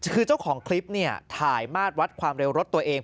คือเจ้าของคลิปเนี่ยถ่ายมาตรวัดความเร็วรถตัวเอง